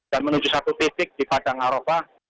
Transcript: dan menuju satu titik di padang aropah